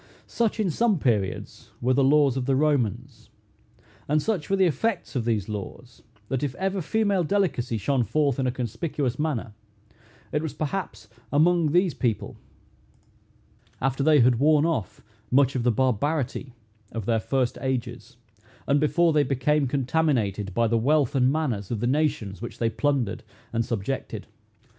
Such, in some periods, were the laws of the Romans; and such were the effects of these laws, that if ever female delicacy shone forth in a conspicuous manner, it was perhaps among those people, after they had worn off much of the barbarity of their first ages, and before they became contaminated, by the wealth and manners of the nations which they plundered and subjected.